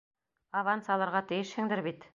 Аванс алырға тейешһеңдер бит!